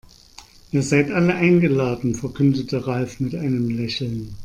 Ihr seid alle eingeladen, verkündete Ralf mit einem Lächeln.